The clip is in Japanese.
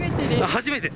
初めて？